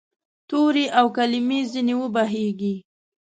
تورې او کلمې ځیني وبهیږې